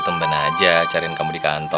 ya tapi tumben aja cariin kamu di kantor